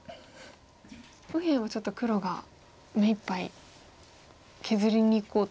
右辺はちょっと黒が目いっぱい削りにいこうと。